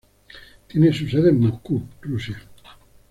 Tiene su sede en Moscú, Rusia.